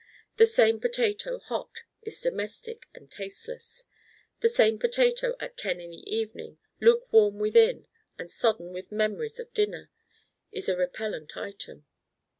The same potato hot is domestic and tasteless. The same potato at ten in the evening lukewarm within and sodden with memories of dinner, is a repellent item.